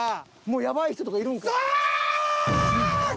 もうやばい人とかいるんかな？